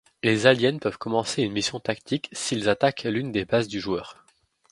Les aliens peuvent commencer une mission tactique s’ils attaquent l’une des bases du joueur.